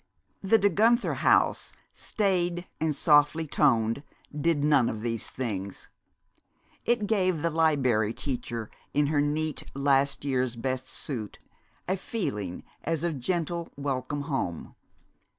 The De Guenther house, staid and softly toned, did none of these things. It gave the Liberry Teacher, in her neat, last year's best suit, a feeling as of gentle welcome home.